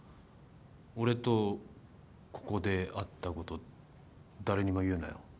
俺とここで会ったこと誰にも言うなよ